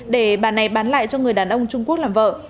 để bà này bán lại cho người đàn ông trung quốc làm vợ